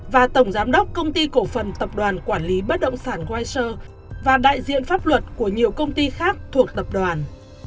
và tổng giám đốc công ty cổ phần tập đoàn quản lý bất động sản